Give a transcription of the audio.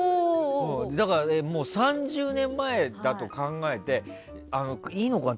だから、もう３０年前だと考えていいのかな？